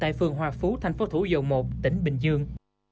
tại phường hòa phú tp thủ dầu một tỉnh bình dương